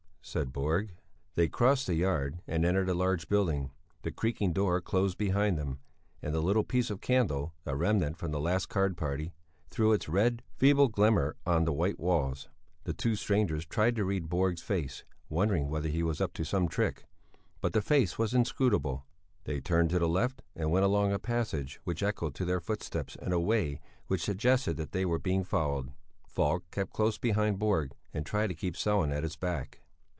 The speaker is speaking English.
said Borg. They crossed the yard and entered the large building; the creaking door closed behind them, and the little piece of candle, a remnant from the last card party, threw its red, feeble glimmer on the white walls. The two strangers tried to read Borg's face, wondering whether he was up to some trick, but the face was inscrutable. They turned to the left and went along a passage which echoed to their footsteps in a way which suggested that they were being followed. Falk kept close behind Borg and tried to keep Sellén at his back.